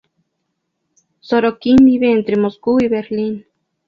Sorokin vive entre Moscú y Berlín.